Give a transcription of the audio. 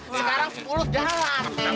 sekarang sepuluh jalan